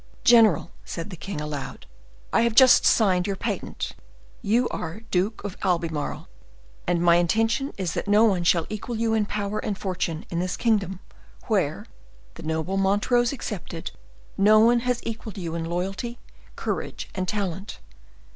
"General," said the king, aloud, "I have just signed your patent,—you are Duke of Albemarle; and my intention is that no one shall equal you in power and fortune in this kingdom, where—the noble Montrose excepted—no one has equaled you in loyalty, courage, and talent.